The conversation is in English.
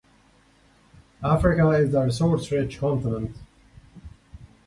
Africa is a resource-rich continent.